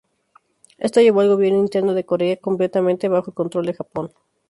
Esto llevó al gobierno interno de Corea completamente bajo el control de Japón.